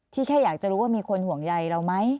แค่อยากจะรู้ว่ามีคนห่วงใยเราไหม